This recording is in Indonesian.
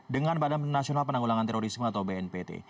dengan badan nasional penanggulangan terorisme atau bnpt